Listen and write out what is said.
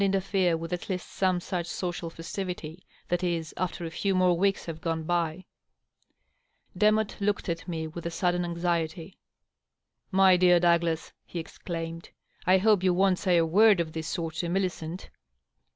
XiXIX.— 38 578 DOUGLAS DUANE, interfere with at least some such occasional festivity — that is, after a few more weeks have gone by." Demotte looked at me with a sudden anxiety. " My dear Douglas/^ he exclaimed, " I hope you won't say a word of this sort to Millioent